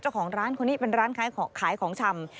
เจ้าของร้านคนนี้เป็นร้านขายของชำ